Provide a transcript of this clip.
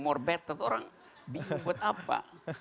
more better orang bingung buat apa